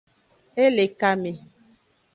E le kame.